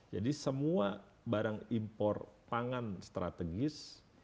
jadi semua barang impor pangan strategis